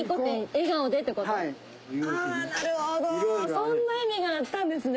そんな意味があったんですね。